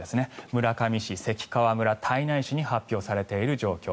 村上市、関川村、胎内市に発表されている状況。